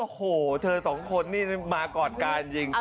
โอ้หัวเธอ๒คนนี่มาก่อตการณ์จริง